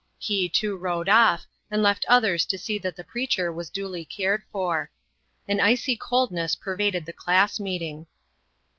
He, too, rode off, and left others to see that the preacher was duly cared for. An icy coldness pervaded the class meeting.